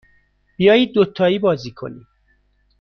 بیایید دوتایی بازی کنیم.